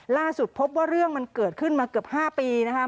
ล่าสุดพบว่าเรื่องมันเกิดขึ้นมาเกือบ๕ปีนะครับ